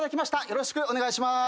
よろしくお願いします。